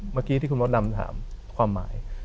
เมื่อกี้ที่คุณมดดำถามความหมาย